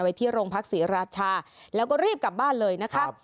เอาไปที่รงภพศรีราชาแล้วก็รีบกลับบ้านเลยนะคะ